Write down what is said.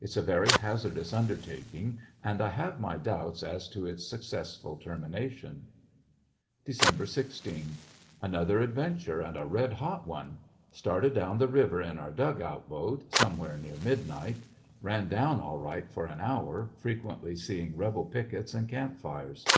It's a veiy hazardous undertaking, and i have my doubts as to its successful termination. Dec. IG. — Another adventure, and a red hot one. Started down the river in our dug out boat somewhere near midnight. Kan down all right for an hour, frequently seeing rebel pickets and camp fires.